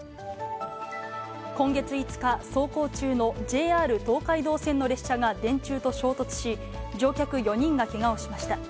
今月５日、走行中のＪＲ東海道線の列車が電柱と衝突し、乗客４人がけがをしました。